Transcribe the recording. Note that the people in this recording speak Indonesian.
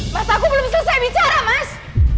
mas aku belum selesai bicara mas